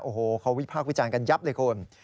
โอ้โหเขาวิพากษ์กันยับเลยคนน์